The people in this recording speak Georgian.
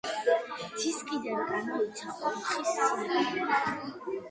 დისკიდან გამოიცა ოთხი სინგლი.